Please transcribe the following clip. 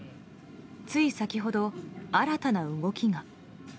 つい先ほど新たな動きが。